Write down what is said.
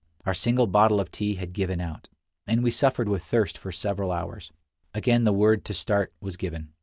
Our single bottle of tea had given out, and we suffered with thirst for several hours. Again the word to start was given.